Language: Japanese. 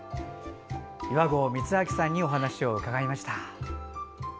岩合光昭さんにお話を伺いました。